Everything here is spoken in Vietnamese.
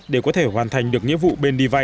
để có thể hoàn thành được nhiệm vụ bên đi văn